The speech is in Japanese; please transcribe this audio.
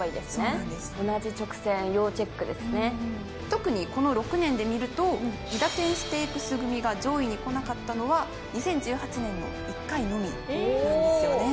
特にこの６年で見ると韋駄天ステークス組が上位にこなかったのは２０１８年の１回のみなんですよね。